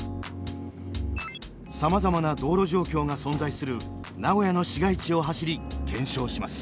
さまざまな道路状況が存在する名古屋の市街地を走り検証します。